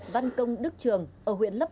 văn công đức trường ở huyện lấp